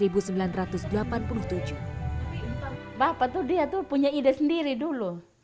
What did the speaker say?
bapak itu punya ide sendiri dulu